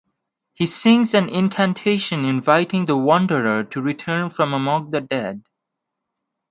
He sings an incantation inviting the wanderer to return from among the dead.